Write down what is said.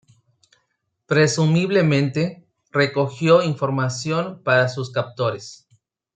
Presumiblemente, recogió información para sus captores.